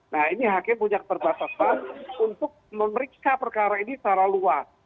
nah ini hakim punya keterbatasan untuk memeriksa perkara ini secara luas